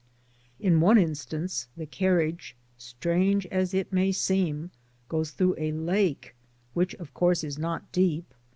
In one instance the carriage, strange as it may seem, goes through a lake, which of course is not deep.